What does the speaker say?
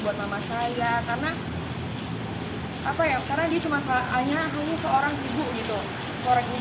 buat mama saya karena apa yang karena dia cuma salah hanya hanya seorang ibu gitu orang ibu yang